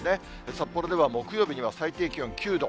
札幌では木曜日には最低気温９度。